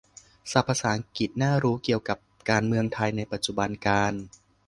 "ศัพท์ภาษาอังกฤษน่ารู้เกี่ยวกับการเมืองไทยในปัจจุบันกาล"